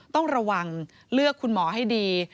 ต้องระวังเลือกคุณหมอให้ดี